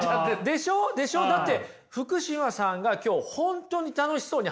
でしょう？でしょう？だって福島さんが今日本当に楽しそうに話すから。